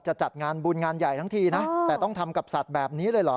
จัดงานบุญงานใหญ่ทั้งทีนะแต่ต้องทำกับสัตว์แบบนี้เลยเหรอ